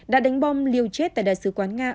đã đánh bom liều chết tại đại sứ quán nga